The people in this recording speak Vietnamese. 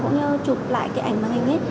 cũng như chụp lại cái ảnh màn hình ấy